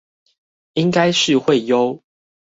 應該是會呦